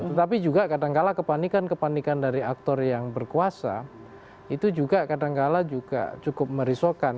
tetapi juga kadangkala kepanikan kepanikan dari aktor yang berkuasa itu juga kadangkala juga cukup merisaukan